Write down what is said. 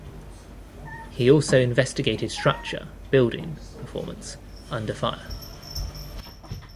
He also investigated structure (building) performance under fire.